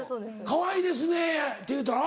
「かわいいですね」って言うたら？